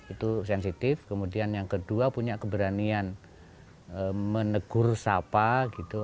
itu sensitif kemudian yang kedua punya keberanian menegur sapa gitu